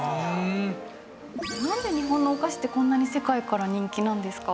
なんで日本のお菓子ってこんなに世界から人気なんですか？